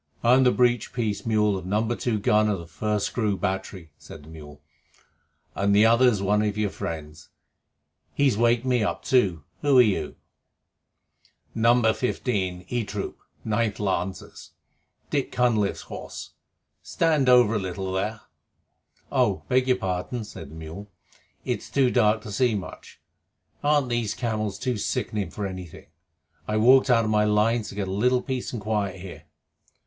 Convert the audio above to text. "I'm the breech piece mule of number two gun of the First Screw Battery," said the mule, "and the other's one of your friends. He's waked me up too. Who are you?" "Number Fifteen, E troop, Ninth Lancers Dick Cunliffe's horse. Stand over a little, there." "Oh, beg your pardon," said the mule. "It's too dark to see much. Aren't these camels too sickening for anything? I walked out of my lines to get a little peace and quiet here."